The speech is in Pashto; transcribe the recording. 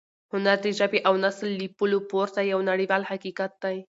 هنر د ژبې او نسل له پولو پورته یو نړیوال حقیقت دی.